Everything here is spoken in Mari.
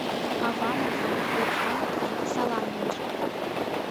Авамытлан, йочамытлан салам лийже!..